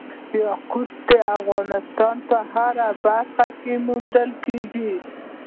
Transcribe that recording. یاقوت د افغانستان په هره برخه کې موندل کېږي.